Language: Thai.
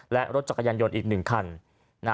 และรถจักรยานยนต์อีก๑คัน